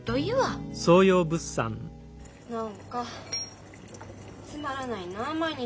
何かつまらないな毎日。